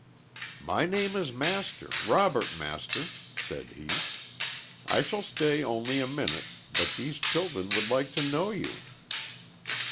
"My name is Master Robert Master," said he. "I shall stay only a minute, but these children would like to know you."